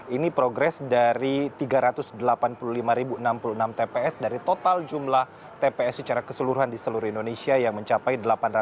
ini progres dari tiga ratus delapan puluh lima enam puluh enam tps dari total jumlah tps secara keseluruhan di seluruh indonesia yang mencapai delapan ratus